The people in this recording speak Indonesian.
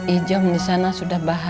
ijom di sana sudah bahagia